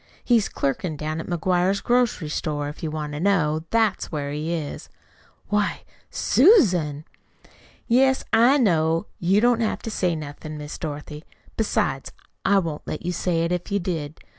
He's clerkin' down to McGuire's grocery store, if you want to know. That's where he is." "Why SUSAN!" "Yes, I know. You don't have to say nothin', Miss Dorothy. Besides, I wouldn't let you say it if you did.